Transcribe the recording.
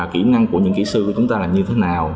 kỹ năng của những kỹ sư của chúng ta là như thế nào